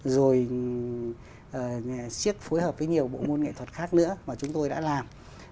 rồi siết phối hợp với nhiều bộ môn nghệ thuật khác nữa mà chúng tôi đã làm